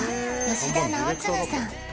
吉田直嗣さん